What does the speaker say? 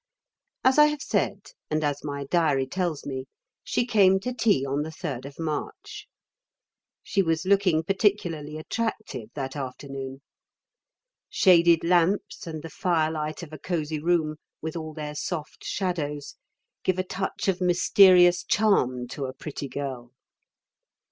As I have said, and as my diary tells me, she came to tea on the 3d of March. She was looking particularly attractive that afternoon. Shaded lamps and the firelight of a cosy room, with all their soft shadows, give a touch of mysterious charm to a pretty girl.